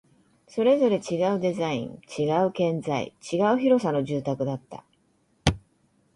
それぞれ違うデザイン、違う建材、違う広さの住宅だった